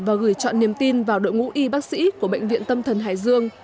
và gửi chọn niềm tin vào đội ngũ y bác sĩ của bệnh viện tâm thần hải dương